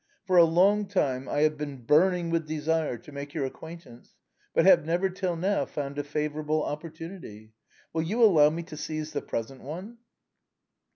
For a long time, I have been burning with desire to make your 132 THE BOHEMIANS OF THE LATIN QUARTER. acquaintance, but have never, till now, found a favorable opportunity. Will you allow me to seize the present one